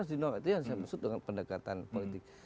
itu yang saya maksud dengan pendekatan politik